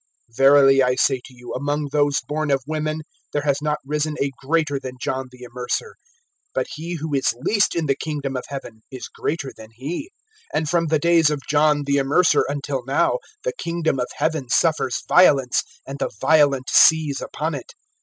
(11)Verily I say to you, among those born of women, there has not risen a greater than John the Immerser. But he who is least in the kingdom of heaven is greater than he. (12)And from the days of John the Immerser until now, the kingdom of heaven suffers violence, and the violent seize upon it.